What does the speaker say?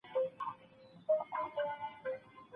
دروني ارامي د زړه د سکون لپاره ده.